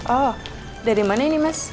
oh dari mana ini mas